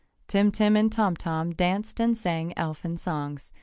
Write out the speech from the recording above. Tim Tim and Tom Tom danced and sang elfin songs.